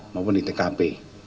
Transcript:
maupun di tkp